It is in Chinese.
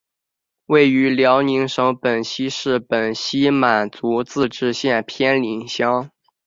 位于辽宁省本溪市本溪满族自治县偏岭乡。